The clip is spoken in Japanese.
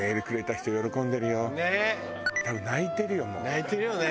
泣いてるよね。